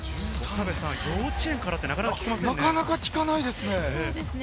幼稚園からって、なかなか聞かないですよね。